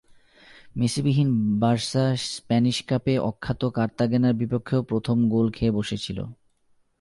মেসি-বিহীন Barca Spanish কাপে অখ্যাত কার্তাগেনার বিপক্ষেও প্রথমে গোল খেয়ে বসেছিল।